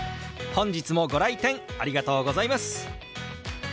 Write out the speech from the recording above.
本日もご来店ありがとうございます。